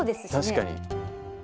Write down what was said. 確かに。